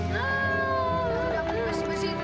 sebuah mobil terlihat di dalam rumah sana